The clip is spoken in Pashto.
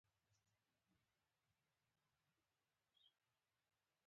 پولې پخوا دښمن ګڼل کېدې.